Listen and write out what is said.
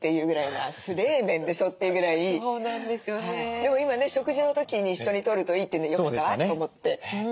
でも今ね食事の時に一緒にとるといいっていうんでよかったわと思って。